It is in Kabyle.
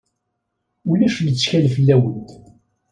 Ulac lettkal fell-awent.